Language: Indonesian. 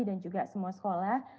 dan juga semua sekolah